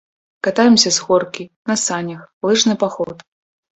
Катаемся з горкі, на санях, лыжны паход.